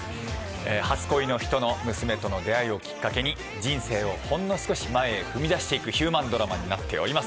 初恋の人の娘との出会いをきっかけに、人生をほんの少し前へ踏み出していくヒューマンドラマになっております。